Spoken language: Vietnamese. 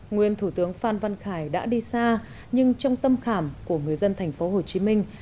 nguyên thủ tướng phan văn khải đã đi xa nhưng trong tâm khảm của người dân thành phố hồ chí minh